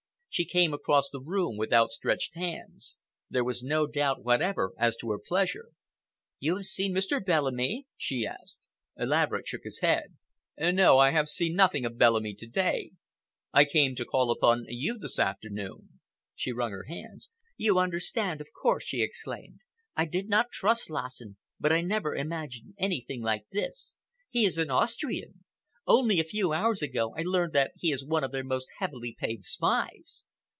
She came across the room with outstretched hands. There was no doubt whatever as to her pleasure. "You have seen Mr. Bellamy?" she asked. Laverick shook his head. "No, I have seen nothing of Bellamy to day. I came to call upon you this afternoon." She wrung her hands. "You understand, of course!" she exclaimed. "I did not trust Lassen, but I never imagined anything like this. He is an Austrian. Only a few hours ago I learned that he is one of their most heavily paid spies.